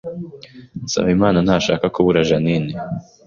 Nsabimana ntashaka kubura Jeaninne